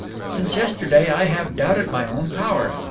Since yesterday I have doubted my own power.